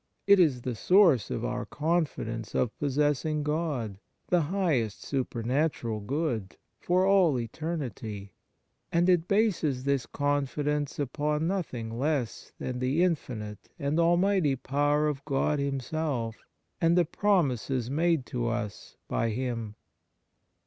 It is the source of our confidence of possessing God, the highest supernatural good, for all eternity, and it bases this confidence upon nothing less than the infinite and almighty power of God Himself and the promises made to us by Him.